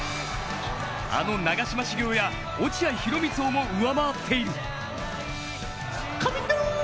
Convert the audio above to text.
あの長嶋茂雄や落合博満をも上回っている。